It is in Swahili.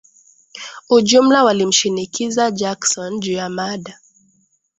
ujumla walimshinikiza Jackson juu ya mada